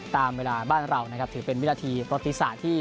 ตามเวลาบ้านเรานะครับถือเป็นวินาทีประติศาสตร์ที่